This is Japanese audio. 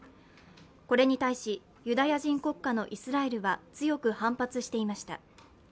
これに対しユダヤ人国家のイスラエルは強く反発していました。